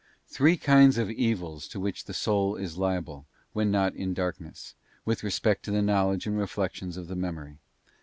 Three kinds of Evils to which the soul is liable, when not in darkness, with respect to the knowledge and reflections of the Memory.